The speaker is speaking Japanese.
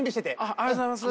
ありがとうございます。